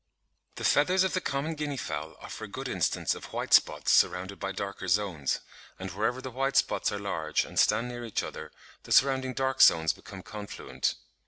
The feathers of the common guinea fowl offer a good instance of white spots surrounded by darker zones; and wherever the white spots are large and stand near each other, the surrounding dark zones become confluent.